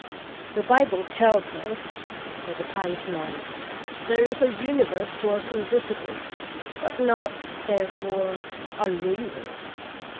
"The Bible tells us," said the pious man, "' There is a universe to us invisible, but not, therefore, unreal."'